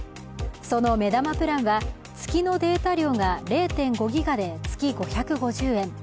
その目玉プランは、月のデータ量が０．５ＧＢで月５５０円。